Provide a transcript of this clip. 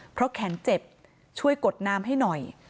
เพราะแขนเจ็บช่วยกดน้ำให้หน่อย